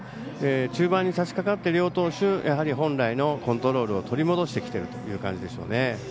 中盤にさしかかって両投手本来のコントロールを取り戻してきているという感じですかね。